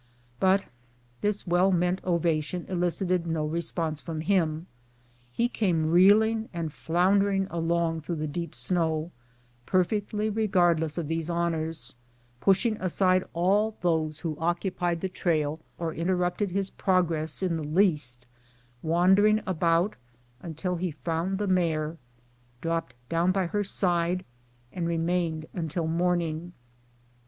■ But this well meant ovation elicited no response from him. He came reeling and floundering along through the deep snow, perfectly regardless of these honors, pushing aside all those who occupied the trail or interrupted his progress in the least, wandering about until he found the mare, dropped down by her side, and remained until morn ing.